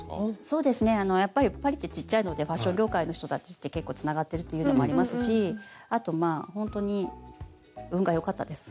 そうですねパリってちっちゃいのでファッション業界の人たちって結構つながってるっていうのもありますしあとまあほんとに運がよかったです。